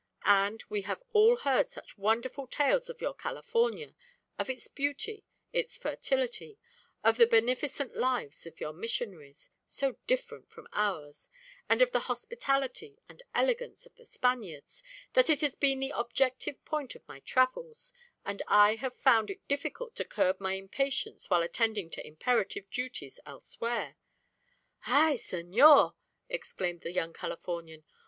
And we have all heard such wonderful tales of your California, of its beauty, its fertility, of the beneficent lives of your missionaries so different from ours and of the hospitality and elegance of the Spaniards, that it has been the objective point of my travels, and I have found it difficult to curb my impatience while attending to imperative duties elsewhere." "Ay! senor!" exclaimed the young Californian.